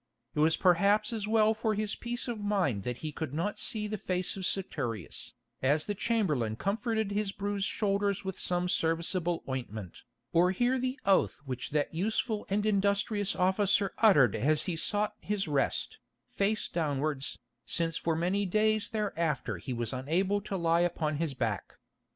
It was perhaps as well for his peace of mind that he could not see the face of Saturius, as the chamberlain comforted his bruised shoulders with some serviceable ointment, or hear the oath which that useful and industrious officer uttered as he sought his rest, face downwards, since for many days thereafter he was unable to lie upon his back.